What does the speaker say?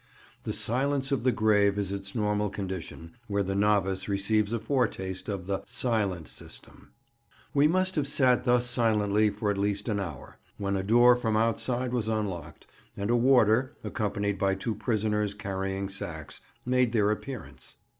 The silence of the grave is its normal condition, where the novice receives a foretaste of the "silent system." [Picture: The Effects of a Warm Bath at "Coldbath."] We must have sat thus silently for at least an hour, when a door from outside was unlocked, and a warder, accompanied by two prisoners carrying sacks, made their appearance.